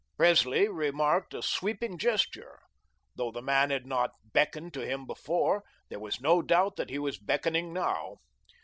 Presley remarked a sweeping gesture. Though the man had not beckoned to him before, there was no doubt that he was beckoning now.